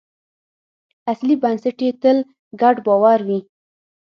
اصلي بنسټ یې تل ګډ باور وي.